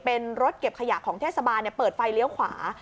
เป็นรถเก็บขยะของเทศบาลเปิดไฟเลี้ยวขวา